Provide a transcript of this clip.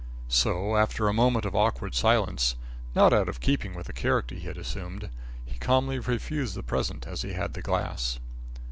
So, after a moment of awkward silence, not out of keeping with the character he had assumed, he calmly refused the present as he had the glass.